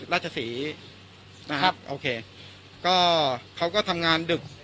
ราชศรีนะครับโอเคก็เขาก็ทำงานดึก